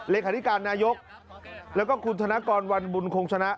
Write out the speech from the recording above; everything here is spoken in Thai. เหลศการณ์นายกแล้วก็คุณธนกรวรรณบุญโครงชนะ